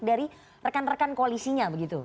dari rekan rekan koalisinya begitu